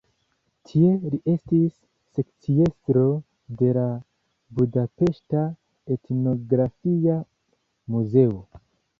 Tie li estis sekciestro de la budapeŝta Etnografia Muzeo.